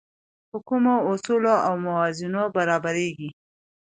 په کومو اصولو او موازینو برابرېږي.